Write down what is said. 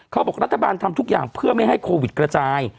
เขาบอกรัฐบาลทำทุกอย่างเพื่อไม่ให้โควิดกระจาย